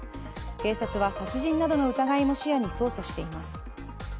警察は、殺人などの疑いも視野に捜査しています。